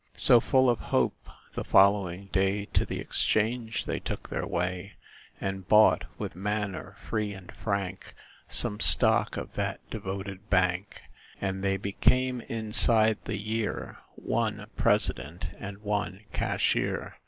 So, full of hope, the following day To the exchange they took their way And bought, with manner free and frank, Some stock of that devoted bank; And they became, inside the year, One President and one Cashier.